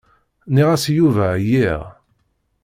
Nniɣ-as i Yuba εyiɣ.